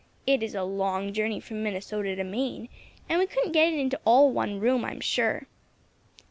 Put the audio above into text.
It is a long journey from Minnesota to Maine, and we couldn't get it all into one room I'm sure."